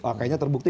oh kayaknya terbukti